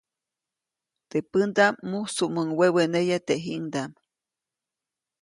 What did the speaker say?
Teʼ pändaʼm mujsumuŋ weweneya tejiʼŋdaʼm.